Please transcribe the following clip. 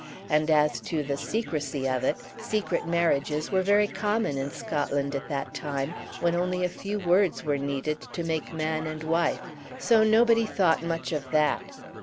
And as to the secrecy of it, secret marriages were very common in Scotland at that time, when only a few words were needed to make man and wife, so nobody thought much of that.